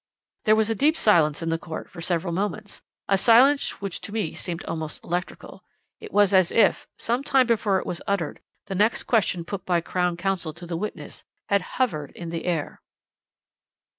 "There was deep silence in the court for a few moments, a silence which to me seemed almost electrical. It was as if, some time before it was uttered, the next question put by Crown Counsel to the witness had hovered in the air.